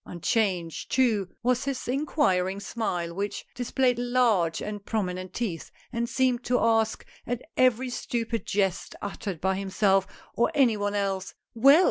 Unchanged too was his inquiring smile, which displayed large and prominent teeth, and seemed to ask at every stupid jest uttered by himself, or any one else, "Well